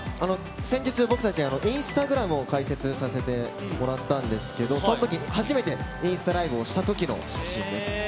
先日、僕たち、インスタグラムを開設させてもらったんですけど、そのときに、初めてインスタライブをしたときの写真です。